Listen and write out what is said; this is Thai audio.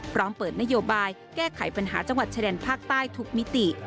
พร้อมเปิดนโยบายแก้ไขปัญหาจังหวัดชายแดนภาคใต้ทุกมิติ